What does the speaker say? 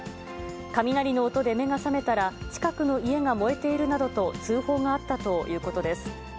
雷の音で目が覚めたら、近くの家が燃えているなどと通報があったということです。